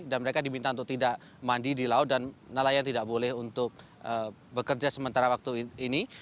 mereka diminta untuk tidak mandi di laut dan nelayan tidak boleh untuk bekerja sementara waktu ini